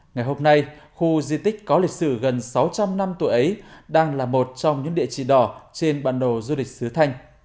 ngày hôm nay khu di tích có lịch sử gần sáu trăm linh năm tuổi ấy đang là một trong những địa chỉ đỏ trên bản đồ du lịch sứ thanh